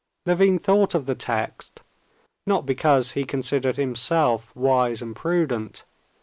Levin thought of the text, not because he considered himself "wise and prudent."